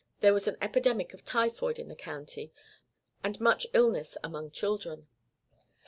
There was an epidemic of typhoid in the county, and much illness among children.